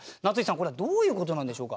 これはどういうことなんでしょうか？